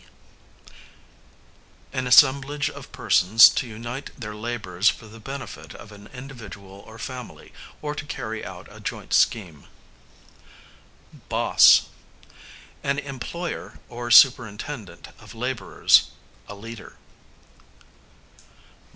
Bee, an assemblage of persons to unite their labours for the benefit of an individual or family, or to carry out a joint scheme. Boss, an employer or superintendent of labourers, a leader.